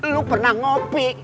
lu pernah ngopi